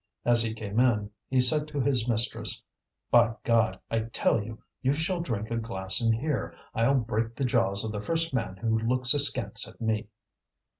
As he came in, he said to his mistress: "By God! I tell you you shall drink a glass in here; I'll break the jaws of the first man who looks askance at me!"